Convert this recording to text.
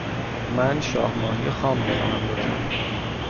من شاه ماهی خام می خواهم، لطفا.